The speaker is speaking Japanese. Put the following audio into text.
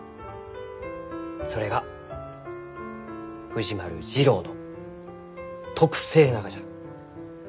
それが藤丸次郎の特性ながじゃ。